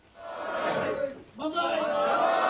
万歳。